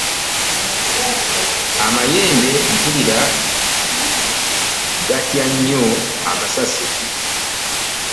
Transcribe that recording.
Amayembe mpulira mbu gatya nnyo amasasi.